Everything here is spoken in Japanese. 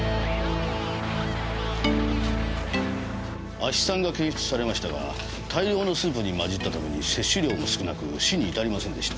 亜ヒ酸が検出されましたが大量のスープに混じったために摂取量も少なく死に至りませんでした。